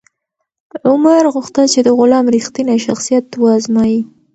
عمر غوښتل چې د غلام رښتینی شخصیت و ازمایي.